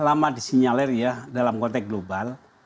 pertama disinyaler ya dalam konteks global